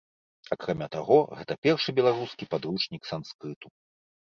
Акрамя таго, гэта першы беларускі падручнік санскрыту.